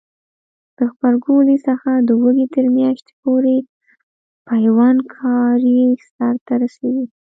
د غبرګولي څخه د وږي تر میاشتې پورې پیوند کاری سرته رسیږي.